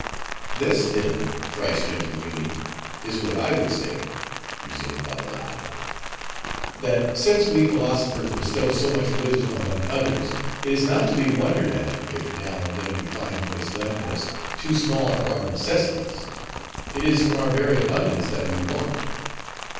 "This, then, thrice gentle Yoomy, is what I would say;" resumed Babbalanja, "that since we philosophers bestow so much wisdom upon others, it is not to be wondered at, if now and then we find what is left in us too small for our necessities. It is from our very abundance that we want."